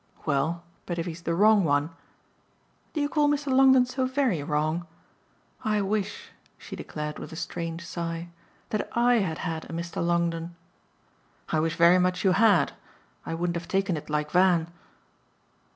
"Well, but if he's the wrong one?" "Do you call Mr. Longdon so very wrong? I wish," she declared with a strange sigh, "that I had had a Mr. Longdon!" "I wish very much you had. I wouldn't have taken it like Van."